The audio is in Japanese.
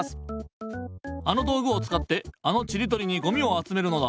あのどうぐをつかってあのチリトリにゴミをあつめるのだ。